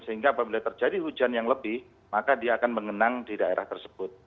sehingga apabila terjadi hujan yang lebih maka dia akan mengenang di daerah tersebut